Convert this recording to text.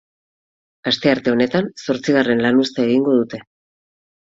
Astearte honetan zortzigarren lanuztea egingo dute.